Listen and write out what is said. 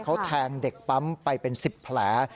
เขาแทงเด็กปั๊มไปเป็น๑๐แผล